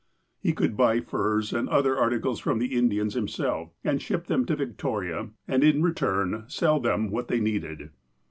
He could buy furs, and other articles from the Indians himself, and ship them to Victoria, and, in return, sell them what they needed.